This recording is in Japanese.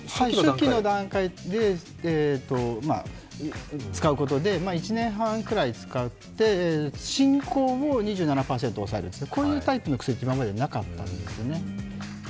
初期の段階で使うことで１年半くらい使って、進行を２７％抑えるこういうタイプの薬って今までなかったんですよね。